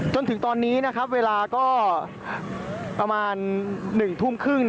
จนถึงตอนนี้เวลาก็ประมาณ๑ทุ่มครึ่ง